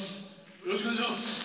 よろしくお願いします。